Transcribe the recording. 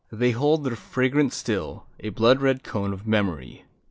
They hold their fragrance still, a blood red cone Of memory.